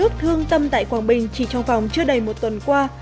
nước thương tâm tại quảng bình chỉ trong vòng chưa đầy một tuần qua